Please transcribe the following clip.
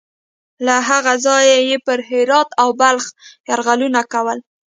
له هغه ځایه یې پر هرات او بلخ یرغلونه کول.